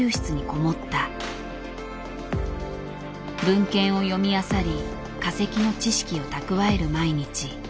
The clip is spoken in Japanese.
文献を読みあさり化石の知識を蓄える毎日。